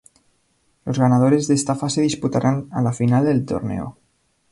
Los ganadores de esta fase disputarán a la final del torneo.